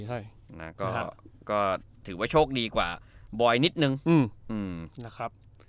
ใช่นะฮะก็ก็ถือว่าโชคดีกว่าบ่อยนิดหนึ่งอืมอืมนะครับ